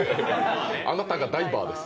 あなたがダイバーです。